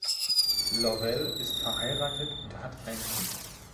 Lovell ist verheiratet und hat ein Kind.